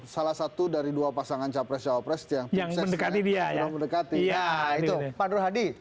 salah satu dari dua pasangan capres capres yang yang mendekati biaya yang mendekati ya itu padu hadi